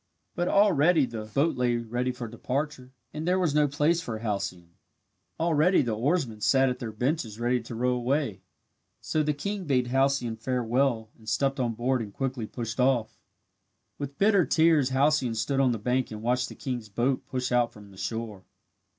But already the boat lay ready for departure and there was no place for Halcyone. Already the oarsmen sat at their benches ready to row away. So the king bade Halcyone farewell and stepped on board and quickly pushed off. With bitter tears Halcyone stood on the bank and watched the king's boat push out from shore.